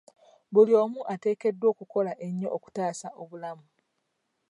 Buli omu ateekeddwa okukola ennyo okutaasa obulamu .